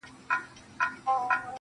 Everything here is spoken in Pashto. ورباندي پايمه په دوو سترگو په څو رنگه.